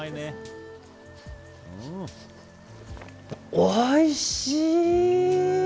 おいしい！